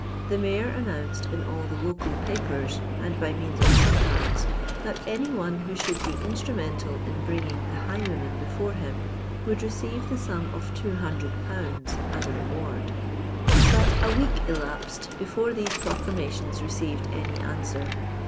The Mayor announced, in all the local papers and by means of placards, "_that any one who should be instrumental in bringing the highwayman before him, would receive the sum of two hundred pounds as a reward_." But a week elapsed before these proclamations received any answer.